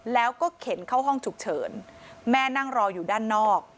แล้วก็เข็นเข้าห้องฉุกเฉินแม่นั่งรออยู่ด้านนอก